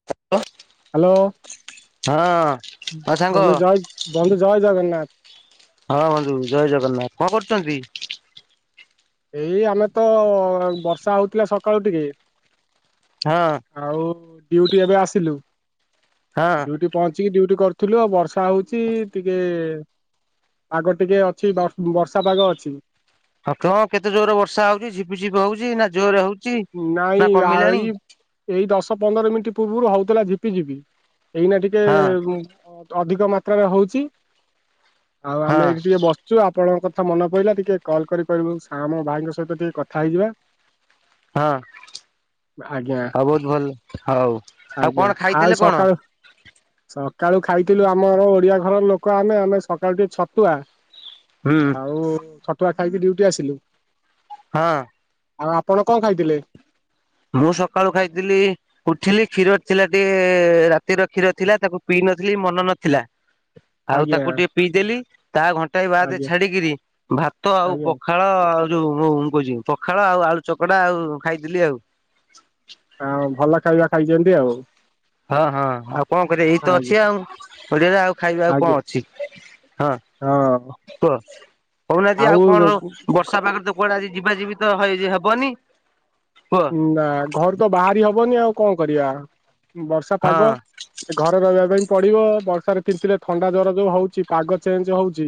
[inaudible] Hello ହଁ ହଁ ସାଙ୍ଗ ବନ୍ଧୁ ଜୟ ବନ୍ଧୁ ଜୟ ଜଗନ୍ନାଥ। ହଁ ବନ୍ଧୁ ଜୟ ଜଗନ୍ନାଥ, କଣ କରୁଚନ୍ତି? ଏ ଆମେ ତ ବର୍ଷା ହଉଥିଲା ସଖାଳୁ ଟିକେ ହଁ। ଆଉ ଡିଉଟି ଏବେ ଆସିଲୁ, ହଁ ଡ଼ିଉଟି ପହଞ୍ଚିକି ଡିଉଟି କରୁଥିଲୁ ଆଉ, ବର୍ଷା ହଉଛି ଟିକେ ପାଗ ଟିକେ ଅଛି ବ ବର୍ଷା ପାଗ ଅଛି। ହଁ ତ କେତେ ଜୋରରେ ବର୍ଷା ହଉଛି ଝିପି ଝିପି ହଉଛି ନା ଜୋରରେ ହଉଛି? ନା ନାଇଁ ଆ କମିଲାଣି? ଏଇ ଦଶ ପନ୍ଦର ମିନିଟ ପୂର୍ବରୁ ହଉଥିଲା ଝିପି ଝିପି, ଏଇନା ଟିକେ ହଁ ଅଧିକ ମାତ୍ରାରେ ହଉଛି ଆଉ ହଁ ଆମେ ଏଇଠି ଟିକେ ବସି ସେଇଠୁ ଆପଣଙ୍କ କଥା ମନେପଇଲା, ଟିକେ କଲ୍ କରିପାରିବୁ ସା ମୋ ଭାଇଙ୍କ ସହିତ ଟିକେ କଥା ହେଇଯିବା। ହଁ ଆଜ୍ଞା ହଉ ବହୁତ ଭଲ ହଉ, ଆଉ ଆଜ୍ଞା କଣ ଆଉ ଖାଇଥିଲେ କଣ? ସକାଳୁ ସକାଳୁ ଖାଇଥିଲୁ ଆମର ଓଡିଆ ଘରର ଲୋକ ଆମେ ଆମେ ସକାଳୁ ଟିକେ ଛତୁଆ, ହୁଁ ଆ ଛତୁଆ ଖାଇକି ଡିଉଟି ଆସିଲି। ହଁ। ଆଉ ଆପଣ କଣ ଖାଇଥିଲେ? ମୁଁ ସକାଳୁ ଖାଇଥିଲି ଉଠିଲି କ୍ଷୀର ଥିଲା ଟିକେ ରାତିର କ୍ଷୀର ଥିଲା ତାକୁ ପିଇ ନଥିଲି ମନେନଥିଲା [inaudible] ଆଉ ତାକୁ ଟିକେ ପିଇଦେଲି, ତା ଘଣ୍ଟାଏ ବାଦ ଆଜ୍ଞା ଛାଡିକିରି ଭାତ ଆଉ ପଖା ଆଜ୍ଞା ପଖାଳ ଆଉ ଯୋଉ ମୁଁ, ମୁଁ କହୁଛି ପଖାଳ ଆଉ ଆଳୁ ଚକଟା ଆଉ ଖାଇଥିଲି ଆଉ। ହଁ ଭଲ ଖାଇବା ଖାଇଛନ୍ତି ଆଉ। ହଁ ହଁ, ଆଉ କଣ କରିବା ଏଇ ତ ଅଛି ଆଜ୍ଞା ଆଉ ପରିବା, ଆଉ ଖାଇବା ଆଉ କଣ ଆଜ୍ଞା ଅଛି? ହଁ ହଁ କୁହ ହଉନାହାନ୍ତି ଆଉ କଣ ବର୍ଷା ପାଗରେ ତ କୁଆଡେ ଆଜି ଯିବା ଯିବି ତ ହବନି ନା ଘରୁତ ବାହାରି ହବନି ଆଉ କଣ କରିବା? ବର୍ଷା ହଁ ପାଗ। ଘରେ ରହିବା ପାଇଁ ପଡିବ, ବର୍ଷାରେ ତିନ୍ତିଲେ ଥଣ୍ଡା ଜର ଯୋଉ ହଉଛି, ପାଗ ଚେଞ୍ଜ ହଉଛି।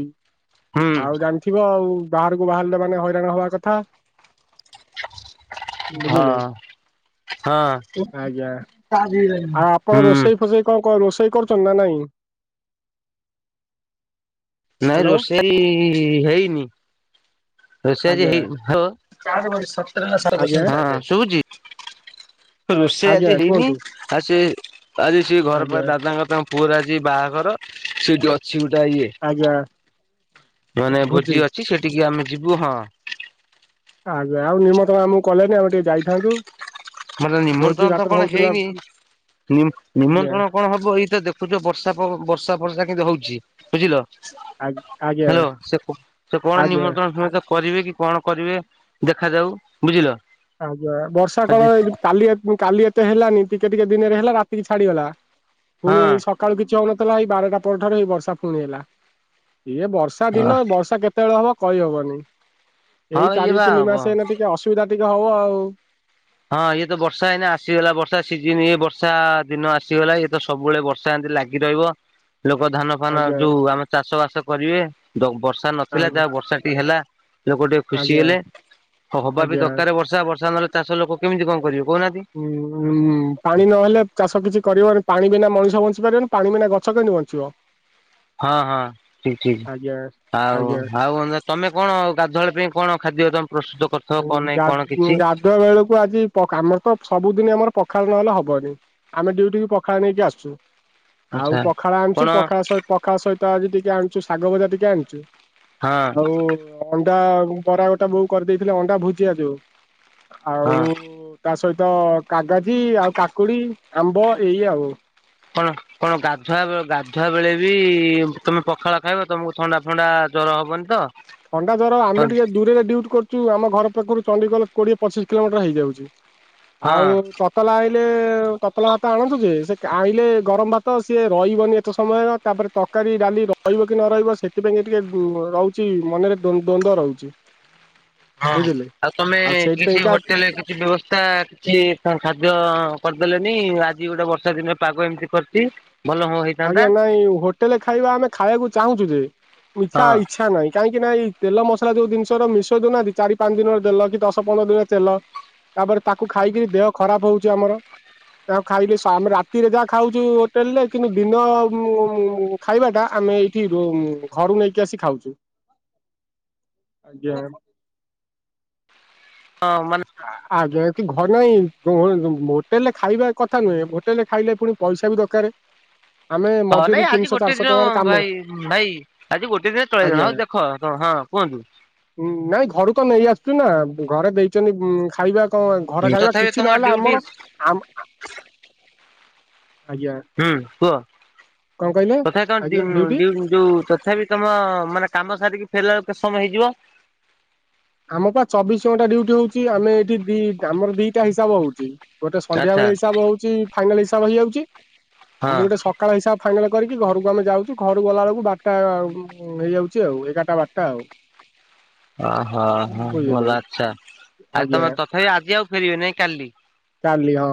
ହୁଁ ଆଉ ଜାଣିଥିବ ଆଉ, ବାହାରକୁ ବାହାରିଲେ ମାନେ ହଇରାଣ ହବା କଥା। ବୁଝିଲେ? ହଁ ଆଜ୍ଞା। କାହା ଦିହରେ ଯାଇଛି ଆଉ ଆପଣ ରୋଷେଇ ଫୋଷେଇ କଣ ରୋଷେଇ କରୁଛନ୍ତି ନା ନାଇଁ? ନାଇଁ ହ୍ୟାଲୋ ରୋଷେଇ ହେଇନି। ରୋଷେଇ ଆଜି ଆଜ୍ଞା ହେଇ, ହଁ ହଁ, ଆଜ୍ଞା [unintelligible] ଶୁଭୁଛି। ଆ- ରୋଷେଇ ଆଜ୍ଞା ଆଜି ହେଇନି କୁହନ୍ତୁ ଆଜି ସେ ଆଜି ସିଏ ଘର ଆଜ୍ଞା ପାଖରେ ଦାଦାଙ୍କର ତା ପୁଅର ଆଜି ବାହାଘର, ସେଠି ଅଛି ଗୋଟେ ଇଏ। ଆଜ୍ଞା ମାନେ ଭୋଜି ଅଛି ସେଠିକି ଆମେ ଯିବୁ, ହଁ। ଆଜ୍ଞା, ଆଉ ନିମନ୍ତଣ ଆମକୁ କଲେନି ଆମେ ଟିକେ ଯାଇଥାନ୍ତୁ। ମାନେ ଭୋଜି ନିମନ୍ତ୍ରଣ ତ ଭାତ କଣ ହଉଥିଲା ହେଇନି? ଆଜ୍ଞା ନିମନ୍ତ୍ରଣ। କଣ ହବ? ଏଇ ତ ଦେଖୁଛ ବର୍ଷା ବର୍ଷା ଫର୍ଷା କେମିତି ହଉଛି ବୁଝିଲ? ଆଜ୍ଞା ଆଜ୍ଞା ହାଲୋ, ସେ ସେ କଣ ଆଜ୍ଞା ନିମନ୍ତ୍ରଣ ଫିମନ୍ତ କରିବେ କି କଣ କରିବେ ଦେଖାଯାଉ, ବୁଝିଲ? ଆଜ୍ଞା, ବର୍ଷା କଣ ହଁ କାଲି କାଲି ଏତେ ହେଲାନି ଟିକେ ଟିକେ ଦିନରେ ହେଲା ରାତିକି ଛାଡିଗଲା। [inaudible] ପୁଣି ଏଇ ସକାଳୁ କିଛି ହଉନଥିଲା, ଏଇ ବାରଟା ପରେ ଠାରୁ ଏଇ ବର୍ଷା ପୁଣି ହେଲା ଇଏ ବର୍ଷା ବର୍ଷା ଦିନ, ବର୍ଷା କେତେବେଳେ ହବ କହିହବନି, ଏଇ ହଁ ଇଏ ଚାରି ବା ତିନି ମାସ ଏଇନା ଟିକେ ଟିକେ ଅସୁବିଧା ଟିକେ ହବ ଆଉ। ହଁ ଇଏ ତ ବର୍ଷା, ହେଇନି ଆସିଗଲା ବର୍ଷା ସିଜିନ ଇଏ ବର୍ଷା ଦିନ ଆସିଗଲା ଇଏ ତ ସବୁବେଳେ ବର୍ଷା ଏମିତି ଲାଗିଲା କି ରହିବ। ଲୋକ ଧାନ ଫାନ ଆଜ୍ଞା ଯୋଉ ଆମେ ଚାଷ ବାସ କରିବେ, ବର୍ଷା ନଥିଲା ଆଜ୍ଞା ଯାହା ବର୍ଷା ଟିକେ ହେଲା। ଲୋକ ଟିକେ ଖୁସି ଆଜ୍ଞା ହେଲେ, ହବା ବି ଆଜ୍ଞା ଦରକାର ବର୍ଷା ବର୍ଷା ନହେଲେ ଚାଷ ଲୋକ କେମିତି କଣ କରିବେ କହୁନାହାନ୍ତି? ହୁଁ, ପାଣି ନହେଲେ ଚାଷ କିଛି କରିବନି ପାଣି ବିନା ମଣିଷ ବଞ୍ଚି ପାରିବନି ପାଣି ବିନା ଗଛ କେମତି ବଞ୍ଚିବ? ହଁ ହଁ ଠିକ୍ ଠିକ୍ ଆଜ୍ଞା ଆଉ ଆଜ୍ଞା। ଆଉ ତମେ କଣ ଗାଧୁଆବେଳ ପାଇଁ କଣ ଖାଦ୍ୟ ତମେ ପ୍ରସ୍ତୁତ କ? ଗା ଗାଧୁଆ ବେଳକୁ ଆଜି ପ ଆମର ତ ସବୁଦିନ ଆମର ପଖାଳ ନହେଲେ ହବନି ଆମେ ଡ୍ୟୁଟିକୁ ପଖାଳ ନେଇକି ଆସୁଚୁ ଆଉ ଆଚ୍ଛା ପଖାଳ ଆଣିଚୁ କଣ ପଖାଳ ପଖାଳ ସହିତ ଆଜି ଟିକେ ଆଣିଚୁ ଶାଗ ଭଜା ଟିକେ ଆଣିଚୁ ହଁ ଆଉ ଅଣ୍ଡା ବରା ଗୋଟା ବୋଉ କରିଦେଇଥିଲେ ଅଣ୍ଡା ଭୁଜିଆ ଯୋଉ ହଁ ଆଉ ତା ସହିତ କାଗାଜି ଆଉ କାକୁଡି ଆମ୍ବ ଏଇ ଆଉ। କଣ କଣ ଗାଧୁଆ ବେ ଗାଧୁଆ ବେଳେ ବି ତମେ ପଖାଳ ଖାଇବ ତମକୁ ଥଣ୍ଡା ଥଣ୍ଡା ଜର ହବନି ତ? ଥଣ୍ଡା ଜର ଆମେ ହଁ ଟିକେ ଦୂରରେ ଡ୍ୟୁଟି୍ କରୁ- ଚୁ ଆମ ଘର ପାଖରୁ ଚଣ୍ଡିଖୋଲ କୋଡିଏ ପଚିଶ କିଲୋମିଟର ହେଇଯାଉଚି ଆଉ ତତଲା ଆଇଲେ ତତଲା ଭାତ ଆଣନ୍ତୁ ଯେ ସେ ଆଇଁଲେ ଗରମ ଭାତ ସିଏ ରହିବନି ଏତେ ସମୟ ତାପରେ ତକାରୀ ଡାଲି ରହିବ କି ନ ରହିବ ସେଥିପାଇଁ ଟିକେ ରହୁଚି ମନରେ ଦ୍ୱନ୍ଦ ରହୁଚି। ହଁ ଆଉ ତମେ କିଛି ହୋଟେଲେ କିଛି ବ୍ୟବସ୍ତା କିଛି ଖାଦ୍ୟ କରିଦେଲେନି ଆଜି ଗୋଟେ ବର୍ଷା ଦିନରେ ପାଗ ଏମିତି କରିଚି ଭଲ ହ ହେ ଆଜ୍ଞା ନାଇଁ ହୋଟେଲେ ଖାଇବା ଆମେ ଖାୟାକୁ ଚାହୁଁଚୁ ଯେ ଇଛା ହଁ ଇଛା ନାଇଁ କାହିଁକି ନା ଇ ତେଲ ମସଲା ଯୋଉ ଜିନିଷର ମିଶାଇ ଦଉନାହାନ୍ତି ଚାରି ପାଞ୍ଚ ଦିନର ତେଲ କି ଦଶ ପନ୍ଦର ଦିନର ତେଲ ତାପରେ ତାକୁ ଖାଇକିରି ଦେହ ଖରାପ ହଉଚି ଆମର। ତାହାକୁ ଖାଇଲି ସ ଆମେ ରାତିରେ ଯାହା ଖାଉଚୁ ହୋଟେଲ୍ ରେ କିନ୍ତୁ ଦିନ ମୁ ମୁ ମୁ ଖାଇବା ଟା ଆମେ ଏଇଠି ରୁ ଘରୁ ନେଇକି ଆସି ଖାଉଚୁ। ଆଜ୍ଞା। ହଁ ମାନେ ଆଜ୍ଞା କି ଘର୍ ନାଇଁ ହୋଟେଲ୍ ରେ ଖାଇବା କଥା ନୁହେଁ ହୋଟେଲ୍ ରେ ଖାଇଲେ ପୁଣି ପଇସା ବି ଦକାରେ। ଁ [unintelligible] ହଁ ନାଇଁ ଆଜି ଗୋଟେ ଦିନ ଭାଇ ଭାଇ ଆଜି ଗୋଟେ ଦିନ ଚଳେଇ ଆଜ୍ଞା ହଉ ଦେଖ କଣ ହଁ କୁହନ୍ତୁ? ନାଇଁ ଘରୁ ତ ନେଇ ଆସୁଚୁ ନା ଘରେ ଦେଇଚନ୍ତି ଖାଇବା କଣ ଘର ଖାଇବା ତଥାପି କିଛି ତମ ନହେଲେ ଡ୍ୟୁଟି ଆମର ଆମ ଆ ଆଜ୍ଞା ହୁଁ କୁହ କଣ କହିଲେ ତଥାପି ତମ ଆଜ୍ଞା ଡ୍ୟୁ ଡ୍ୟୁଟି ଡ୍ୟୁ ଯୋଉ ତଥାପି ତମ ମାନେ କାମ ସାରିକି ଫେରିଲା ବେଳକୁ କେତ୍ ସମୟ ହେଇଯିବ? ଆମ ପା ଚବିଶ ଘଣ୍ଟା ଡ୍ୟୁଟି୍ ହଉଚି ଆମେ ଏଠି ଦି ଆମର ଦିଟା ହିସାବ ହଉଚି ଗୋଟେ ଆଚ୍ଛା ସନ୍ଧ୍ୟାବେଳେ ହିସାବ ହଉଚି ଫାଇନାଲ୍ ହିସାବ ହେଇଯାଉଚି ଆଉ ହଁ ଗୋଟେ ସ କାଳ ହିସାବ ଫାଇନାଲ୍ କରିକି ଘରକୁ ଆମେ ଯାଉଚୁ ଘରକୁ ଗଲା ବେଳକୁ ବାରଟା‌ ହେଇଯାଉଚି ଆଉ ଏଗାରଟା ବାରଟା ଆଉ। ଓହୋ ହୋ ବୁଝିଲେ ଭଲ ଅଚ୍ ଆଉ ଆଜ୍ଞା ତମେ ତଥାପି ଆଜି ଆଉ ଫେରିବେ ନାଇଁ କାଲି କାଲି ହଁ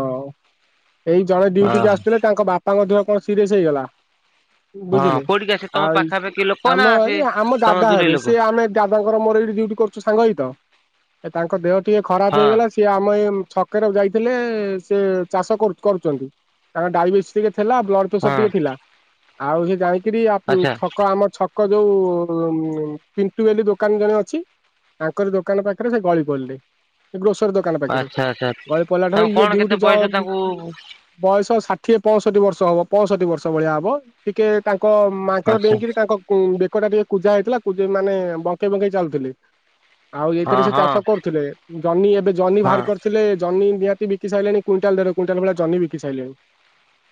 ଏଇ ଜଣେ ଓହ ଡ୍ୟୁଟିକି ଆସିଥିଲେ ତାଙ୍କ ବାପା ଦେହ କଣ ସିରିଏସ୍ ହେଇଗଲା ହଁ ବୁଝିଲେ କୋଉଠିକି ଆସେ ତମ ଆଉ ପାଖାପାଖି ଲୋକ ନା ଆମ ସେ ଇ ଆମ ତମ ଦାଦା ଦୂରେଇ ହେବେ ଲୋକ? ସେ ଆମେ ତାଦାଙ୍କର ମୋର ଏଇଠି ଡ୍ୟୁଟି କରୁଚୁ ସାଙ୍ଗ ହେଇତ ତାଙ୍କ ଦେହ ଟିକେ ଖରାପ ହଁ ହେଇଗଲା ସେ ଆମ ଏ ଛକରେ ଯାଇ ଥିଲେ ସେ ଚାଷ କରୁଚନ୍ତି ତାଙ୍କ ଡାଇବେଟିସ୍ ଟିକେ ଥିଲା ବ୍ଲଡ୍ ପ୍ରେସର୍ ହଁ ଟିକେ ଥିଲା ଆଉ ସେ ଯାଇକିରି ଆମ ଆଚ୍ଛା ଛ କ ଆମ ଛକ ଯୋଉ ଉ ପିଣ୍ଟୁ ବୋଲି ଦୋକାନ ଜଣେ ଅଛି ତାଙ୍କରି ଦୋକାନ ପାଖରେ ସେ ଗଳି ପଡିଲେ ସେ ଗ୍ରୋସରୀ ଦୋକାନ ପାଖରେ ଆଚ୍ଛା ଆଚ୍ଛା ତାଙ୍କୁ କଟରଇଏ କଣ ଡିଉଟି କେତେ ଯ ବୟସ ତାଙ୍କୁ [unintelligible] ବୟସ ଷାଠିଏ, ପଞ୍ଚଷଠି ବର୍ଷ ହବ, ପଞ୍ଚଷଠି ବର୍ଷ ଭଳିଆ ହବ। ଟିକେ ତାଙ୍କ ମାଙ୍କଡ ଆଚ୍ଛା ଡେଇଁକିରି ତାଙ୍କ ବେକଟା ଟିକେ କୁଜା ହେଇଥିଲା କୁଜେଇ ମାନେ ବଙ୍କେଇ ବଙ୍କେଇ ଚାଲୁଥିଲେ। ଆଉ ହଁ ଏଇଥିରେ ସେ ହଁ ଚାଷ କରୁଥିଲେ। ଜହ୍ନି ଏବେ ଜହ୍ନି ହଁ ବାହାର କରିଥିଲେ ଜହ୍ନି ନିହାତି ବିକି ସାଇଲଣି କୁଇଣ୍ଟାଲ ଦେଢ କୁଇଣ୍ଟାଲ ଭଳିଆ ଜହ୍ନି ବିକି ସାଇଲଣି।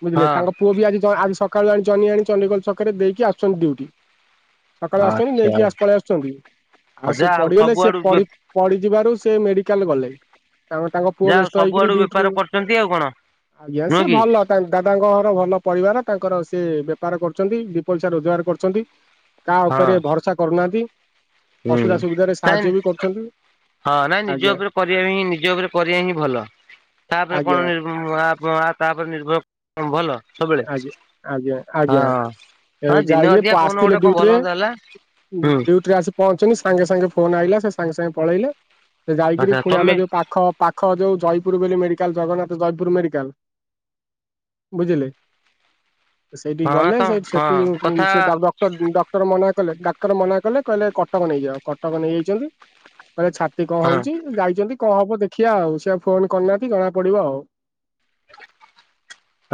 ବୁଝିଲେ ହଁ। ତାଙ୍କ ଙ୍କ ପୁଅ ବି ଆଜି ଆଜି ସକାଳୁ ଆଣି ଜହ୍ନି ଆଣି ଚଣ୍ଡିଖୋଲ ଛକରେ ଦେଇକି ଆସୁଛନ୍ତି ଡ଼ିଉଟି। ସକାଳୁ ଆସୁଛନ୍ତି ଆଚ୍ଛା ନେଇକି ଆସ ଆଉ ପଳେଇ ଆସୁଛନ୍ତି। ଆଉ ସେ ଯା ହଉ ପଡ଼ିଗଲେ ସେ ସବୁଆଡୁ ପଡି ପଡିଯିବାରୁ ସେ ମେଡିକାଲ ଗଲେ ତାଙ୍କ ପୁଅ ଯା ହଉ ବେସ୍- ବ୍ୟସ୍ତ ହେଇକିରି ସବୁଆଡୁ ବେପାର ଡିଉଟିରୁ କରୁଛନ୍ତି ଆଉ କଣ ୟାଁ ନୁହଁ ସିଏ କି? ଭଲ। ଦାଦାଙ୍କ ଘର ଭଲ ପରିବାର ତାଙ୍କର ସିଏ ବେପାର କରୁଛନ୍ତି। ଦିଇ ପଇସା ରୋଜଗାର କରୁଛନ୍ତି। କାହା ଉପରେ ହଁ ଭରସା କରୁନାହାନ୍ତି। ହୁଁ, ଅସୁବିଧା ସୁବିଧାରେ ନାଇଁ ସାହାଯ୍ୟ ବି କରୁଛନ୍ତି ହଁ ନାଇଁ ନିଜ ଆଜ୍ଞା ଉପରେ କରିବା ହିଁ ନିଜ ଉପରେ କରିବା ହିଁ ଭଲ ତାପରେ ଆଜ୍ଞା କଣ ନି ୟା ତା ତାପରେ ନିର୍ଭର ଭଲ ସବୁବେଳେ ଆଜ୍ଞା ଆଜ୍ଞା ହଁ। ଆଜ୍ଞା ହଁ ଦିନେ ଯାଇକିରି ଅଧିଆ କଉଦିନ ଆସିଥିଲେ ଗୋଟେ କଉ ଭଲ ମନ୍ଦ ହେଲା ହୁଁ। ପହଞ୍ଚିନି ସାଙ୍ଗେ ସାଙ୍ଗେ ଫୋନ ଆଇଲା ସେ ସାଙ୍ଗେ ସାଙ୍ଗେ ପଳେଇଲେ ସେ ଯାଇକିରି ଆଚ୍ଛା ପୁଣି ତମେ ଆମେ ଯୋଉ ପାଖ ପାଖ ପାଖ ଯୋଉ ଜୟୀପୁର ବୋଲି ମେଡିକାଲ ଜଗନ୍ନାଥ ଜୟପୁର ମେଡିକାଲ ବୁଝିଲେ? ସେଇଠିକି ହଁ ଗଲେ ତ ସେ ହଁ ସେଠୁ କଥା ସେ [inaudible] ଡାକ୍ଟର ମନା କଲେ ଡାକ୍ତର ମନା କଲେ କହିଲେ କଟକ ନେଇଜାଅ କଟକ ନେଇଯାଇଛନ୍ତି। କହିଲେ ଛାତି କଣ ହଁ। ହଉଛି ଯାଇଛନ୍ତି କଣ ହବ ଦେଖିବା ଆଉ ସିଆ ଫୋନ କରିନାହାନ୍ତି ଜଣା ପଡିବ ଆଉ।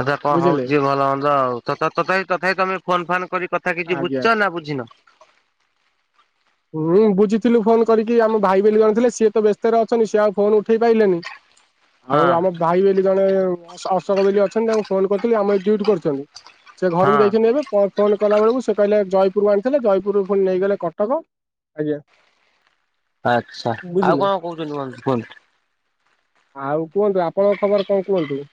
ଆଛା କଣ ବୁଝିଲେ ହଉଛି ଭଲ ହନ୍ଦ ଆଉ ତଥା ତଥାପି ତମେ ଫୋନ ଫୋନ୍ କରି କଥା ତା କିଛି ଆଜ୍ଞା ବୁଝୁଛ ନା ବୁଝିନ? ହୁଁ ବୁଝିଥିଲୁ ଫୋନ କରିକି ଆମ ଭାଇ ବୋଲି ଜଣେ ଥିଲେ ସିଏ ତ ବେସ୍ତରେ ଅଛନ୍ତି ସିଏ ଆଉ ଫୋନ ଉଠେଇ ପାଇଲେନି। ଆଉ ହଁ ଆମ ଭାଇ ବୋଲି ଜଣେ ଅଶୋକ ବୋଲି ଅଛନ୍ତି ତାଙ୍କୁ ଫୋନ କରିଥିଲି ଆମ ଏ ଡ୍ୟୁଟି କରୁଛନ୍ତି। ସେ ଘରକୁ ହଁ ଯାଇଛନ୍ତି ଏବେ। କଣ ଫୋନ କଲା ବେଳକୁ ସେ କହିଲେ ଜୟପୁରରୁ ଆଣିଥିଲେ ଜୟପୁରରୁ ପୁଣି ନେଇଗଲେ କଟକ। ଆଜ୍ଞା। ଆଚ୍ଛା ଆଉ ବୁଝିଲେ କଣ କହୁଛନ୍ତି କୁହନ୍ତୁ କୁହନ୍ତୁ। ଆଉ କୁହନ୍ତୁ ଆପଣଙ୍କ ଖବର କଣ କୁହନ୍ତୁ?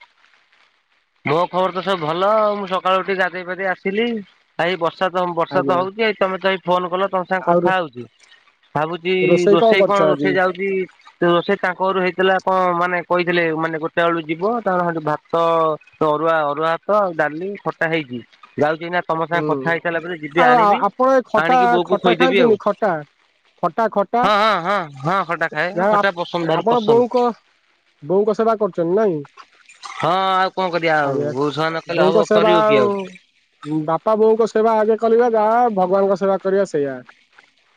ମୋ ଖବର ତ ସବୁ ଭଲ ମୁଁ ସକାଳୁ ଉଠି ଗାଧେଇ ପାଧେଇ ଆସିଲି। ଭାଇ ବର୍ଷା ତ ବର୍ଷା ତ ଆଜ୍ଞା ହଉଛି ହେଇ ତମେ ତ ଫୋନ କଲ ତମ ସାଙ୍ଗେ ଆଉ କଥା ରୋ- ହଉଛି ଭାବୁଛି ରୋଷେଇ କଣ ରୋଷେଇ ଯାଉଛି ରୋସେଇ ତାଙ୍କ ଘରୁ ହେଇଥିଲା କଣ ମାନେ କହିଥିଲେ ମାନେ ଗୋଟେ ଏଳୁ ଯିବ ତାଙ୍କଠୁ ଭାତ ଅରୁଆ ଅରୁଆ ହାତ ଆଉ ଡାଲି ଖଟା ହେଇଛି ଯାଉଛି ନା ତମ ହୁଁ ସାଙ୍ଗେ କଥା ହେଇ ସାରିଲା ପରେ ଯିବି ଆଉ ଆ- ଆଣିବି ଆପଣ ଏ ଖଟା ଆଣିକି ବୋଉ କ ଖଟା ଖୋଇଦେବି ଖାଆନ୍ତିନି ଆଉ। ଖଟା ଖଟା ଖଟା ହଁ ହଁ ହଁ ହଁ ଖଟା ଖାଏ ଯାହା ହଉ ଆପ- ଖଟା ପସନ୍ଦ ଭାରି ଆପଣ ବୋଉଙ୍କ ପସନ୍ଦ। ବୋଉଙ୍କ ସେବା କରୁଛନ୍ତି ନାଇଁ? ହଁ ଆଉ କଣ କରିବା ଆଉ ଆଜ୍ଞା ବୋଉସେବା ନ କଲେ ବୋଉଙ୍କ ହବ ସେବା କରିବ କିଏ ଆଉ। ବାପା ବୋଉଙ୍କ ସେବା ଆଗେ କରିବା ଯାହା ଭଗବାନଙ୍କ ସେବା କରିବା ସେଇଆ।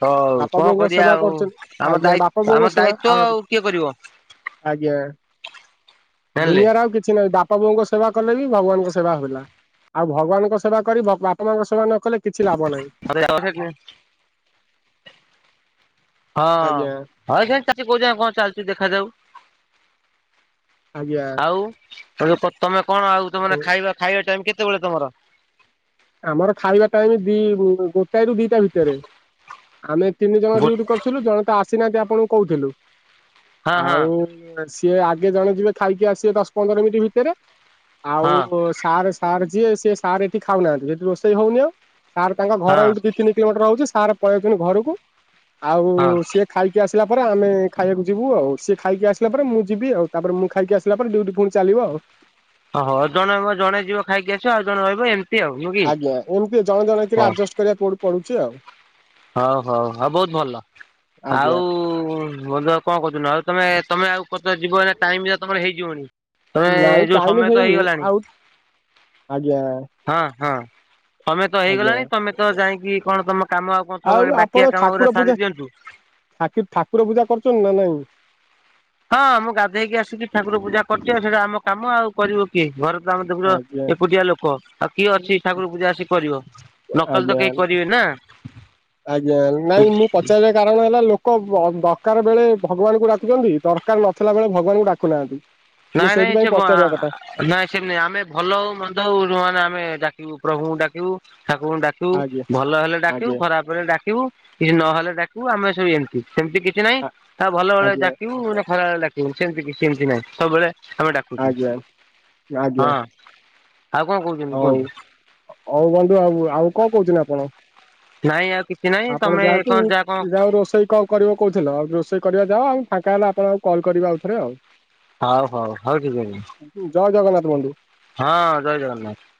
ହଉ ବାପା କଣ ବୋଉଙ୍କ କରିବା ସେବା ଆଉ କରୁଛନ୍ତି ଆମ ଆଜ୍ଞା ଦାୟି ବାପା ଆମ ବୋଉଙ୍କ ସେବା ଦାୟିତ୍ଵ ଆ ଆଉ ଆଜ୍ଞା କିଏ କରିବ ଆଜ୍ଞା ଜାଣିଲେ। ଦୁନିଆରେ ଆଉ କିଛି ନାହିଁ ବା ପ୍ରଭୁଙ୍କ ସେବା କଲେ ବି ଭଗବାନଙ୍କ ସେବା ହେଲା ଆଉ ଭଗବାନଙ୍କ ସେବା କରି ବାପା ମାଙ୍କ ସେବା ନ କଲେ କିଛି ଲାଭ ନାହିଁ। ଆରେ ଆ, ହଁ। ଆଜ୍ଞା [unintelligible] କଣ ଚାଲିଚୁ ଦେଖାଯାଉ ଆଜ୍ଞା। ଆଉ। ଆଉ ତମେ କଣ ଆଉ ତମେ ଖାଇବା ଖାଇବା ଟାଇମ୍ କେତେବେଳେ ତମର? ଆମର ଖାଇବା ଟାଇମ୍ ଦି ଗୋଟାଏ ରୁ ଦିଟା ଭିତରେ ଆମେ ତିନି ଜଣ ଗୋ ଡିଉଟି କର ଥିଲୁ ଜଣେ ତ ଆସିନାହାନ୍ତି ଆପଣଙ୍କୁ କହୁଥିଲୁ, ହଁ ହଁ ଆଉ ସିଏ ଆଗେ ଜଣେ ଯିବେ ଖାଇକି ଆସିବେ ଦଶ ପନ୍ଦର ମିନିଟ୍ ଭିତରେ। ହଁ ଆଉ ସାର୍ ସାର୍ ଯିଏ ସି ସାର୍ ଏଠି ଖାଉନାହାନ୍ତି ଏଠି ରୋଷେଇ ହଉନି ଆଉ, ସାର୍ ତାଙ୍କ ଘର ଏଠି ହଁ ଦିଇ ତିି ଟ ରହୁଛି ସାର ପଳଉଛନ୍ତି ଘରକୁ। ଆଉ ସିଏ ଖାଇକି ଆସିଲା ପରେ ଆମେ ଖାଇବାକୁ ଯିବୁ ଆଉ, ସିଏ ଖାଇକି ଆସିଲା ପରେ ମୁଁ ଯିବି। ଆଉ ତାପରେ ମୁଁ ଖାଇକି ଆସି ହେଲା ପରେ ଡ୍ୟୁଟି ପୁଣି ଚାଲିବ ଆଉ। ହ ହ ଜଣେ ଜଣେ ଯିବ ଖାଇକି ଆସିବ ଆଉ ଜଣ ରହିବ ଏମତି ଆଜ୍ଞା ଏମିତି ଜଣେ ଜଣ କିରେ ଆଡଜଷ୍ଟ କରିବା ପଡୁଛି ଆଉ। ହଉ ହଉ ହଉ ବୋହୁତ୍ ଭଲ। ଆଉ ଆଜ୍ଞା ବ କଣ କରୁଛନ୍ତି? ଆଉ ତମେ ତମେ ଆଉ କ ଯିବ ନା ଟାଇମ ତମର ହେଇଯିବନି? ତମେ ନାଇଁ ଯୋଉ ଟାଇମ ସମୟ ତ ହେଇନି ହେଇଗଲାଣି। ଆଉ ଆଜ୍ଞା ହଁ ହଁ ତମେ ସମୟ ତ ଆଜ୍ଞା ହେଇଗଲାଣି। ତମେ ତ ଯାଇକି କଣ ତମ କାମ ଆଉ କଣ ହବ ଏଇ ବାକିଆ କାମ ଗୁୁରା ସାରି ଦିଅନ୍ତୁ। ଥାକି ଠାକୁର ପୂଜା କରୁଛନ୍ତି ନା ନାଇଁ? ହଁ ମୁଁ ଗାଧେଇକି ଆସିକି ଠାକୁର ପୂଜା କରିଛି ଆଉ ସେଇଟା ଆମ କାମ ଆଉ। କରିବ କିଏ ଘରେ ତ ଆମର ଦେଖୁଚ ଆଜ୍ଞା ଏକୁଟିଆ ଲୋକ। ଆଉ କିଏ ଅଛି ଆସି ଠାକୁର ପୂଜା ଆସି କରିବ। ନକଲେ ତ ଆଜ୍ଞା କେହି କରିବେନି ନା। ଆଜ୍ଞା ନାଇଁ ମୁଁ ପଚାରି କାରଣ ହେଲା ଲୋକ ଦରକାର ବେଳେ ଭଗବାନଙ୍କୁ ଡାକୁଛନ୍ତି ଦରକାର ନଥିଲା ବେଳେ ଭଗବାନଙ୍କୁ ଡାକୁନାହାନ୍ତି। ମୁଁ ନାଇଁ ନାଇଁ ସେ ସେଇଥିପାଇଁ ପଚାରିବା କଥା। ନାଇଁ ସେମି ଆମେ ଭଲ ହଉ ମନ୍ଦ ହଉ ଯଉ ମାନେ ଆମେ ଡାକିବୁ ପ୍ରଭୁଙ୍କୁ ଡାକିବୁ ଠାକୁରଙ୍କୁ ଡାକି ଆଜ୍ଞା ଭଲ ହେଲେ ଡାକିବୁ ଆଜ୍ଞା ଖରାପ ହେଲେ ଡାକିବୁ କିଛି ନହେଲେ ଡାକିବୁ ଆମେ ସବୁ ଏମିତି ସେମତି କିଛି କିଛି ନାହିଁ ଆଉ ଭଲ ବେଳେ ଆଜ୍ଞା ଡାକିବୁ ନା ଖରାବେଳେ ଡାକିବୁ ସେମିତି କିଛି ସେମିତି ନାହିଁ ସବୁବେଳେ ଆମେ ଡାକୁ। ହଁ ଆଉ କଣ ଆଜ୍ଞା ଆଜ୍ଞା କହୁଛନ୍ତି ହଉ କୁହନ୍ତୁ? ହଉ ବନ୍ଧୁ ଆଉ। ଆଉ କଣ କହୁଛନ୍ତି ଆପଣ? ନାଇଁ ଆଉ କିଛି ନାହିଁ ଆପଣ ତମେ ଯାଆନ୍ତୁ କଣ ଯାହା କଣ ଯ ଆଉ ରୋଷେଇ କ କରିବ କହୁଥିଲ ଆଉ ରୋଷେଇ କରିବା ଯା ଆଉ ଫାଙ୍କା ହେଲେ ଆପଣ ଆଉ କଲ କରିବା ଆଉଥରେ ଆଉ। ହଉ ହଉ ହଉ ଠିକ୍ ଅଛି। ଜୟ ଜଗନ୍ନାଥ ବନ୍ଧୁ। ହଁ ଜୟ ଜଗନ୍ନାଥ।